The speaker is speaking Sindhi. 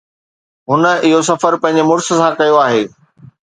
هن اهو سفر پنهنجي مڙس سان ڪيو آهي